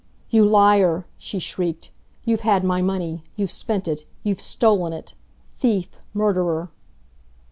"You liar!" she shrieked. "You've had my money! You've spent it! You've stolen it! Thief! Murderer!"